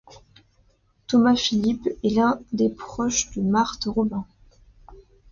Thomas Philippe est l'un des proches de Marthe Robin.